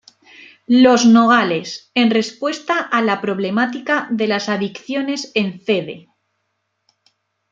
Los Nogales, en respuesta a la problemática de las adicciones en Cd.